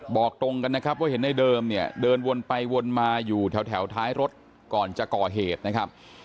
บอกตรงกันนะครับว่าเห็นในเดิมเนี่ยเดินวนไปวนมาอยู่แถวท้ายรถก่อนจะก่อเหตุนะครับ